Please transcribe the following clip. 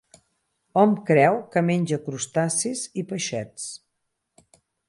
Hom creu que menja crustacis i peixets.